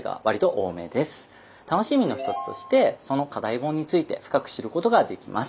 楽しみの一つとしてその課題本について深く知ることができます。